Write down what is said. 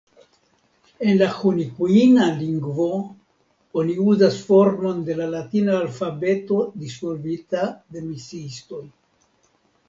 En la hunikuina lingvo oni uzas formon de la latina alfabeto disvolvita de misiistoj.